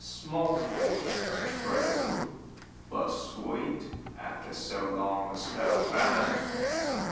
Small fish, true, but sweet after so long a spell o' famine."